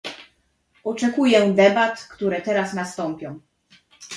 Oczekuję debat, które teraz nastąpią